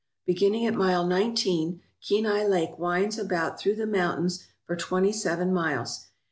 Beginning at Mile Nineteen, Kenai Lake winds about through the mountains for twenty seven miles.